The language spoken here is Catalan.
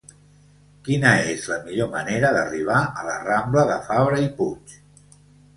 Quina és la millor manera d'arribar a la rambla de Fabra i Puig?